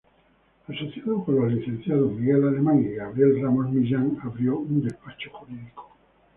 Asociado con los licenciados Miguel Alemán y Gabriel Ramos Millán, abrió un despacho jurídico.